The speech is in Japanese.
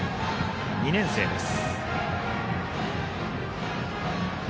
２年生です。